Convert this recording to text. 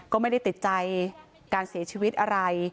ก็ไม่ได้ติดใจการเสียชีวิตอะไร